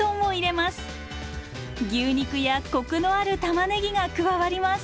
牛肉やコクのあるたまねぎが加わります。